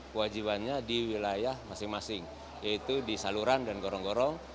kewajibannya di wilayah masing masing yaitu di saluran dan gorong gorong